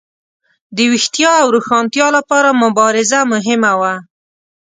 د ویښتیا او روښانتیا لپاره مبارزه مهمه وه.